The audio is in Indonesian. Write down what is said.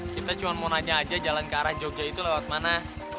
kita cuma mau nanya aja jalan ke arah jogja itu lewat mana